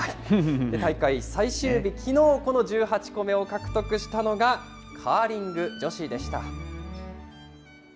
大会最終日、きのう、この１８個目を獲得したのが、カーリング女子でした。